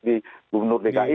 di gubernur dki